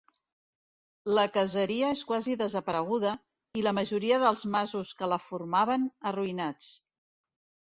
La caseria és quasi desapareguda, i la majoria dels masos que la formaven, arruïnats.